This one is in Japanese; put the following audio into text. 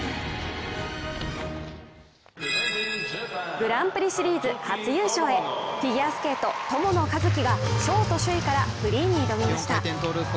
グランプリシリーズ初優勝へフィギュアスケート、友野一希がショート首位からフリーに挑みました。